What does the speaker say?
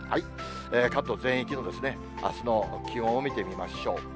関東全域のあすの気温を見てみましょう。